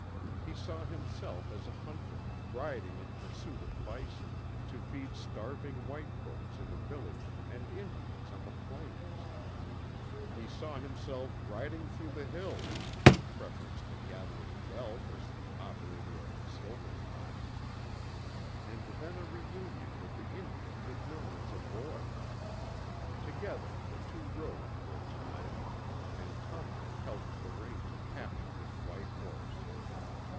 He saw himself as a hunter, riding in pursuit of bison, to feed starving white folks in a village and Indians on the plains. He saw himself riding through the hills in preference to gathering wealth as the operator of a silver mine. And then a reunion with the Indian he'd known as a boy. Together the two rode for a time, and Tonto helped the Ranger capture his white horse.